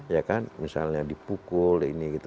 ya kan misalnya dipukul ini gitu